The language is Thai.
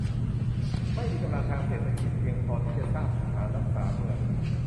ไม่มีกำลังทางเศรษฐกิจเพียงพอที่จะสร้างทหารรักษาเมือง